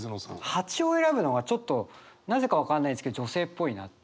蜂を選ぶのがちょっとなぜか分かんないですけど女性っぽいなって。